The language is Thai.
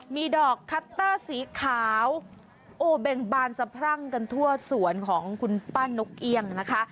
มีดอกคัตเตอร์สีขาวโอ้เบ่งบานสะพรั่งกันทั่วสวนของคุณป้านกเอี่ยงนะคะ